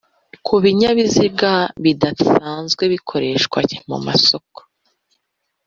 ku binyabiziga bidasanzwe bikoreshwa mu masoko